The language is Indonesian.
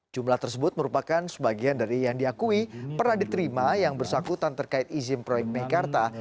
jumlah tersebut merupakan sebagian dari yang diakui pernah diterima yang bersangkutan terkait izin proyek meikarta